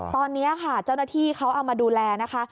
ตอนนี้ค่ะเจ้าหน้าที่เขาเอามาดูแลนะคะ